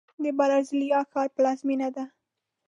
د برازیلیا ښار پلازمینه ده.